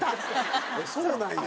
そうなんや。